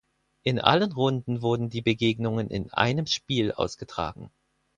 In allen Runden wurden die Begegnungen in einem Spiel ausgetragen.